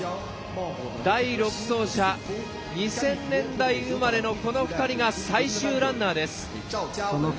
第６走者、２０００年代生まれのこの２人が最終ランナーです。